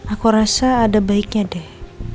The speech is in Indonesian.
aku rasa ada baiknya deh